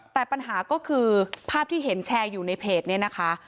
แต่ปัญหาก็คือภาพที่เห็นแชร์อยู่ในเพจนี้นะคะ